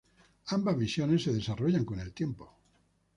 Ambas visiones se desarrollan con el tiempo.